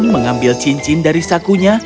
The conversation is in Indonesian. mengambil cincin dari sakunya